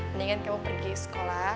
mendingan kamu pergi sekolah